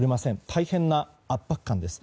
大変な圧迫感です。